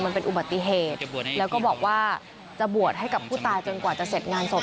มันเป็นอุบัติเหตุแล้วก็บอกว่าจะบวชให้กับผู้ตายจนกว่าจะเสร็จงานศพ